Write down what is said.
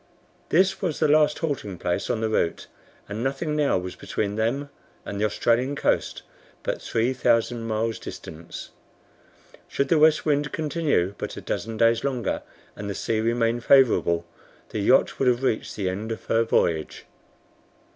This was the last halting place on the route, and nothing now was between them and the Australian coast but three thousand miles' distance. Should the west wind continue but a dozen days longer, and the sea remain favorable, the yacht would have reached the end of her voyage.